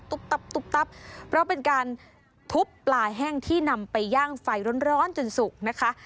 ตุ๊บตับเพราะเป็นการทุบปลาแห้งที่นำไปย่างไฟร้อนจนสุกนะคะ